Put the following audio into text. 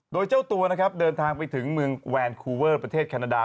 โดยเจ้าตัวนะครับเดินทางไปถึงเมืองแวนคูเวอร์ประเทศแคนาดา